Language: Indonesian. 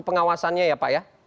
pengawasannya ya pak ya